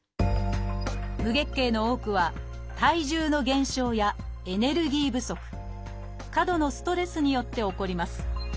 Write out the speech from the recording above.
無月経の多くは体重の減少やエネルギー不足過度のストレスによって起こります。